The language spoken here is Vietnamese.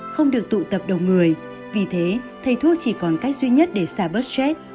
không được tụ tập đồng người vì thế thầy thuốc chỉ còn cách duy nhất để xả bớt stress